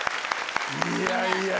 いやいや。